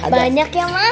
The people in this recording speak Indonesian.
banyak ya ma